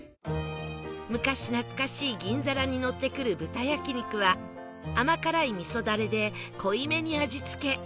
昔懐かしい銀皿にのってくる豚焼肉は甘辛い味噌ダレで濃いめに味付け